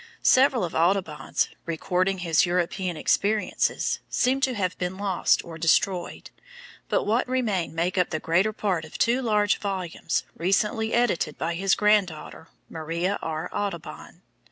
Several of Audubon's (recording his European experiences) seem to have been lost or destroyed, but what remain make up the greater part of two large volumes recently edited by his grand daughter, Maria R. Audubon.